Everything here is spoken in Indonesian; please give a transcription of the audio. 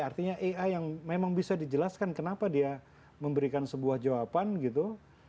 artinya ai yang memang bisa dijelaskan kenapa dia memberikan sebuah jawaban gitu